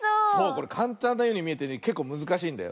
これかんたんなようにみえてねけっこうむずかしいんだよ。